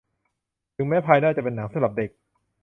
ถึงแม้ภายนอกจะเป็นหนังสำหรับเด็ก